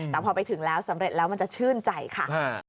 แต่พอไปถึงแล้วสำเร็จแล้วมันจะชื่นใจค่ะ